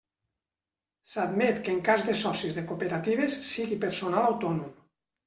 S'admet que en cas de socis de cooperatives sigui personal autònom.